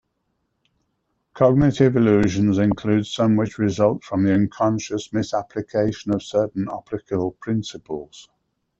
Cognitive illusions include some which result from the unconscious misapplication of certain optical principles.